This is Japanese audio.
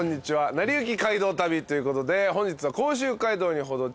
『なりゆき街道旅』ということで本日は。